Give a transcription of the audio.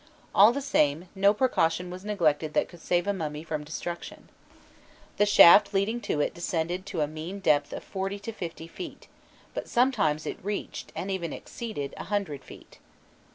All the same, no precaution was neglected that could save a mummy from destruction. The shaft leading to it descended to a mean depth of forty to fifty feet, but sometimes it reached, and even exceeded, a hundred feet.